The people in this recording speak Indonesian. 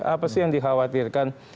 apa sih yang dikhawatirkan